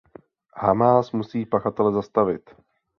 Hamás musí pachatele zastavit.